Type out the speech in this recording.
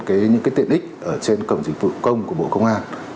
cái những cái tiện ích trên cổng dịch vụ công của bộ công an